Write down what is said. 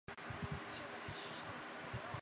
里奥拉戈是巴西阿拉戈斯州的一个市镇。